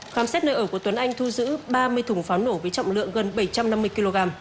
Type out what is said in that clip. khám xét nơi ở của tuấn anh thu giữ ba mươi thùng pháo nổ với trọng lượng gần bảy trăm năm mươi kg